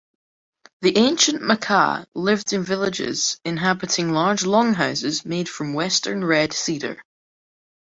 The ancient Makah lived in villages, inhabiting large longhouses made from western red cedar.